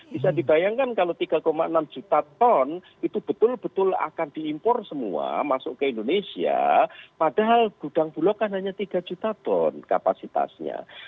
bisa dibayangkan kalau tiga enam juta ton itu betul betul akan diimpor semua masuk ke indonesia padahal gudang bulok kan hanya tiga juta ton kapasitasnya